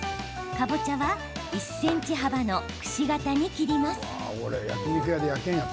かぼちゃは１ｃｍ幅のくし形に切ります。